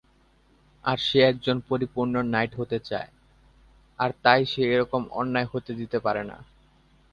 আর সে একজন পরিপূর্ণ নাইট হতে চায় আর তাই সে এরকম অন্যায় হতে দিতে পারে না।